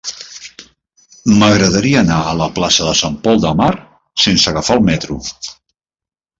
M'agradaria anar a la plaça de Sant Pol de Mar sense agafar el metro.